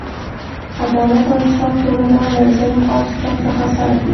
عدالت او انصاف ټولنه له ظلم او ستم څخه ساتي.